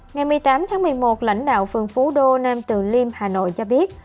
ngày một mươi tám tháng một mươi một lãnh đạo phường phú đô nam từ liêm hà nội cho biết